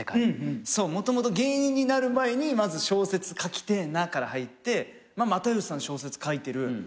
もともと芸人になる前にまず小説書きてぇなから入って又吉さん小説書いてる。